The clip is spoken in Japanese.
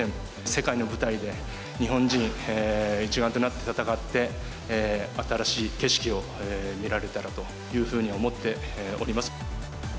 世界の舞台で、日本人一丸となって戦って、新しい景色を見られたらというふうに思っております。